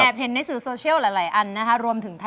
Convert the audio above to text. สนุนโดยอีซูซู